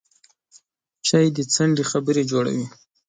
چای د څنډې خبرې جوړوي